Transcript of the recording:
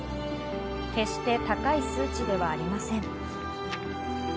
決して高い数値ではありません。